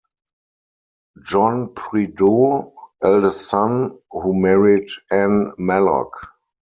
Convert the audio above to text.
John Prideaux, eldest son, who married Anne Mallock.